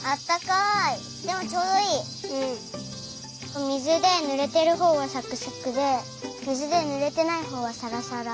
お水でぬれてるほうがサクサクで水でぬれてないほうはサラサラ。